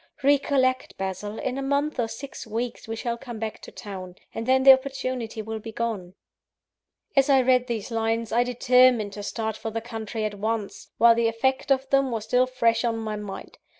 Recollect, Basil, in a month or six weeks we shall come back to town; and then the opportunity will be gone." As I read these lines, I determined to start for the country at once, while the effect of them was still fresh on my mind.